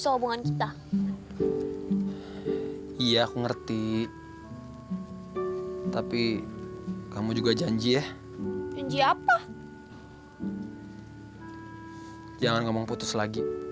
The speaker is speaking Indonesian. salam kak rangga